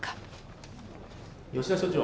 「吉田所長